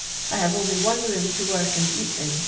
I have only one ro«)m to woik and csti in.